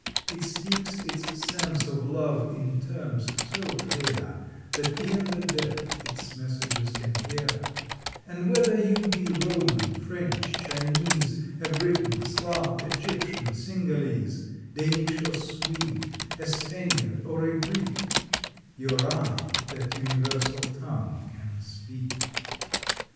It speaks its sense of love in terms so clear That e en the deaf its messages can hear, And whether you be Roman, French, Chinese, A Briton, Slav, Egyptian, Singalese, Danish or Swede, a Spaniard or a Greek, Your eye that universal tongue can speak.